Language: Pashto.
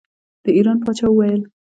د ایران پاچا وویل.